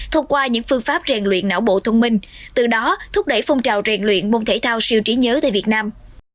thông qua những phương pháp rèn luyện não bộ thông minh từ đó thúc đẩy phong trào rèn luyện môn thể thao siêu trí nhớ tại việt nam